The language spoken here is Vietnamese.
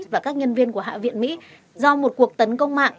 và các nhân viên của hạ viện mỹ do một cuộc tấn công mạng